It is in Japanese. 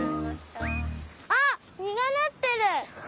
あっみがなってる！